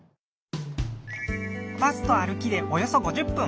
バスと歩きでおよそ５０分。